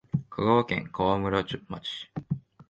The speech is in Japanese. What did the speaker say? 奈良県川上村